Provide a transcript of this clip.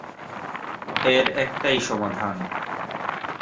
এর একটাই সমাধান।